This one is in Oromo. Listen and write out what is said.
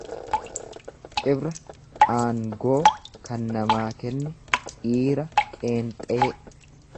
Cibra aangoo kan namaa kennu. dhiira qeenxee